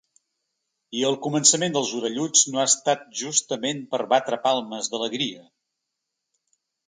I el començament dels orelluts no ha estat justament per batre palmes d’alegria.